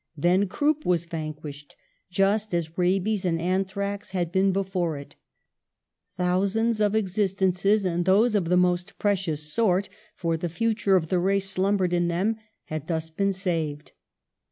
Then croup was vanquished, just as rabies and an thrax had been before it; thousands of exist ences, and those of the most precious sort, for the future of the race slumbered in them, had thus been saved.